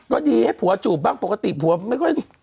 ก็ดีให้ผัวจูบบ้างปกติผัวไม่ค่อย